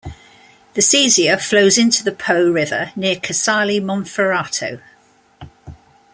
The Sesia flows into the Po River near Casale Monferrato.